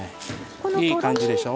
いい感じでしょ。